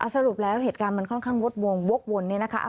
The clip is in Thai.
สรุปแล้วเหตุการณ์มันค่อนข้างวดวงวกวนเนี่ยนะคะ